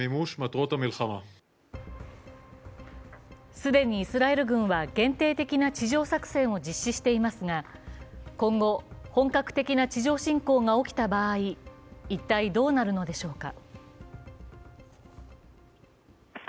既にイスラエル軍は限定的な地上作戦を実施していますが今後、本格的な地上侵攻が起きた場合、一体どうなるのでしょうか。